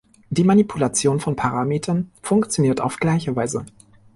Die Manipulation von Parametern funktioniert auf gleiche Weise.